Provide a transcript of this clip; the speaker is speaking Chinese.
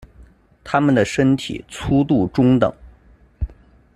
它们的身体粗度中等。